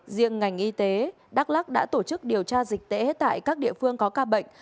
riêng ngành y tế đắk lắc đã tổ chức điều tra dịch tễ tại các địa phương có ca bệnh